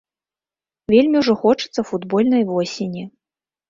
Вельмі ўжо хочацца футбольнай восені.